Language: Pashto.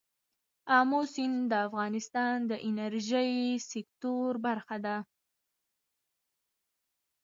آمو سیند د افغانستان د انرژۍ سکتور برخه ده.